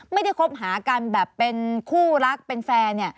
คบหากันแบบเป็นคู่รักเป็นแฟน